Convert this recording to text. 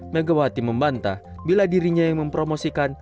megawati membantah bila dirinya yang mempromosikan